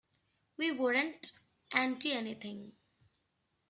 We weren't anti-anything.